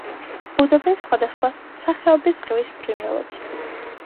ბუდობენ სხვადასხვა სახეობის ზღვის ფრინველები.